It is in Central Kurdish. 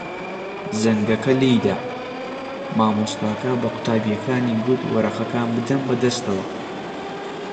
زەنگەکە لێی دا. مامۆستاکە بە قوتابییەکانی گوت وەرەقەکان بدەن بەدەستەوە.